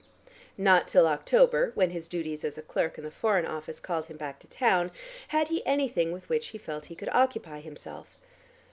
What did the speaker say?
Not till October, when his duties as a clerk in the Foreign Office called him back to town, had he anything with which he felt he could occupy himself.